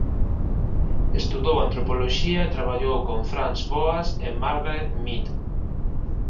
Estudou antropoloxía e traballou con Franz Boas e Margaret Mead.